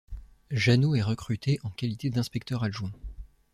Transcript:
Janneau est recruté en qualité d'inspecteur adjoint.